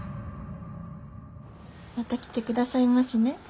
また来て下さいましね。